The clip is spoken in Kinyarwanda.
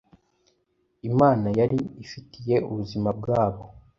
Imana yari ifitiye ubuzima bwabo